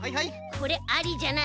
これありじゃない？